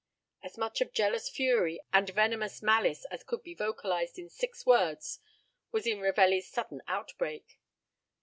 As much of jealous fury and venomous malice as could be vocalized in six words was in Ravelli's sudden outbreak.